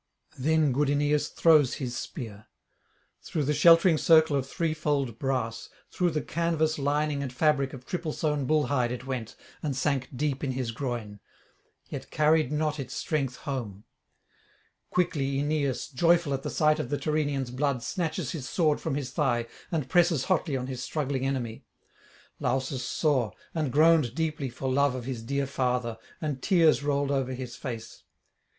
Then good Aeneas throws his spear; through the sheltering circle of threefold brass, through the canvas lining and fabric of triple sewn bull hide it went, and sank deep in his groin; yet carried not its strength home. Quickly Aeneas, joyful at the sight of the Tyrrhenian's blood, snatches his sword from his thigh and presses hotly on his struggling enemy. Lausus saw, and groaned deeply for love of his dear father, and tears rolled over his face.